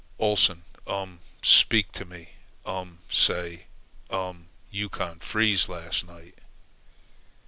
"Oleson um speak to me, um say um Yukon freeze last night."